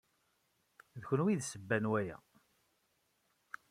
D kenwi ay d tasebba n waya.